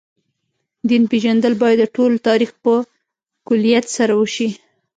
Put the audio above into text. دین پېژندل باید د ټول تاریخ په کُلیت سره وشي.